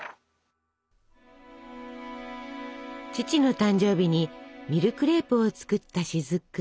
父の誕生日にミルクレープを作った雫。